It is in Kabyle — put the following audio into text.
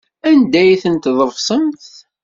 Anda ay ten-tḍefsemt?